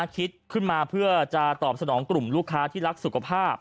คิดขึ้นมาเพื่อจะตอบสนองกลุ่มลูกค้าที่รักสุขภาพ